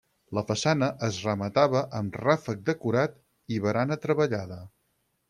La façana es rematava amb ràfec decorat i barana treballada.